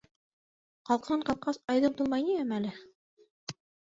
Ҡалҡыуын ҡалҡҡас, айҙың тулмай ни әмәле?